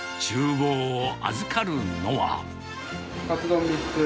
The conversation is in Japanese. カツ丼３つ。